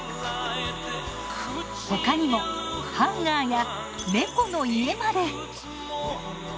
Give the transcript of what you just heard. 他にもハンガーや猫の家まで。